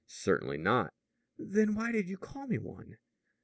"Certainly not." "Then, why did you call me one?"